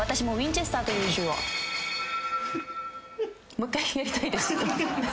もう１回やりたいです。